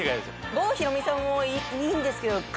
郷ひろみさんもいいんですけど。